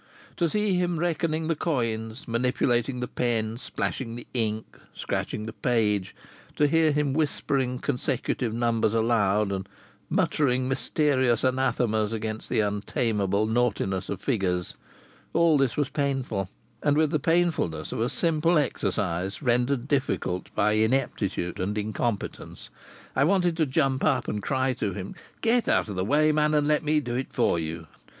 To see him reckoning the coins, manipulating the pen, splashing the ink, scratching the page; to hear him whispering consecutive numbers aloud, and muttering mysterious anathemas against the untamable naughtiness of figures all this was painful, and with the painfulness of a simple exercise rendered difficult by inaptitude and incompetence. I wanted to jump up and cry to him: "Get out of the way, man, and let me do it for you!